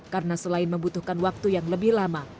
karena selain membutuhkan waktu yang lebih lama